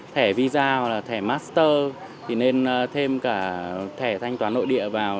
thẻ visa hoặc là thẻ master thì nên thêm cả thẻ thanh toán nội địa vào